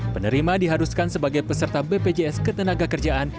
penerima diharuskan sebagai peserta bpjs ketenagakerjaan